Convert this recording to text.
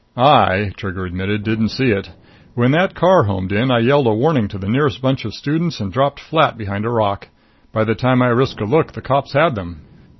"I," Trigger admitted, "didn't see it. When that car homed in, I yelled a warning to the nearest bunch of students and dropped flat behind a rock. By the time I risked a look, the cops had them."